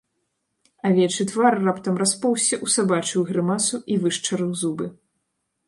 Авечы твар раптам распоўзся ў сабачую грымасу і вышчарыў зубы.